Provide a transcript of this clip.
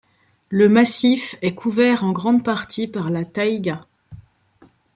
Le massif est couvert en grande partie par la taïga.